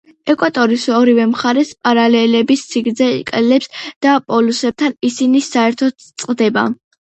ეკვატორის ორივე მხარეს, პარალელების სიგრძე იკლებს და პოლუსებთან ისინი საერთოდ წყდება.